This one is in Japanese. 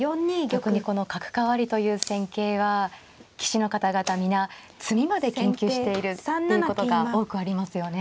特にこの角換わりという戦型は棋士の方々皆詰みまで研究しているということが多くありますよね。